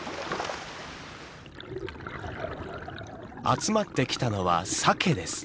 集まってきたのはサケです。